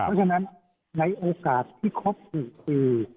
เพราะฉะนั้นในโอกาสที่ครอบคุณคือ